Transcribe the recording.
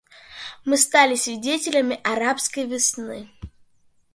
Мы стали свидетелями «арабской весны».